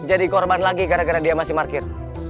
jadi korban lagi karena dia masih markir